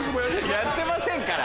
やってませんから。